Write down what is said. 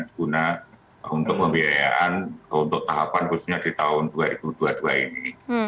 digunakan untuk pembiayaan untuk tahapan khususnya di tahun dua ribu dua puluh dua ini